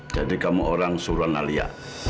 jadi kamu orang suruhan alia